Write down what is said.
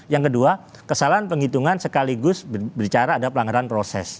yang kedua kesalahan penghitungan sekaligus berbicara ada pelanggaran proses